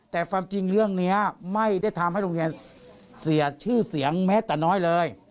แต่ความจริงเรื่องนี้ไม่ได้ทำให้โรงเรียนเสียชื่อเสียงแม้แต่น้อยเลย